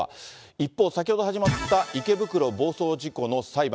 一方、先ほど始まった、池袋暴走事故の裁判。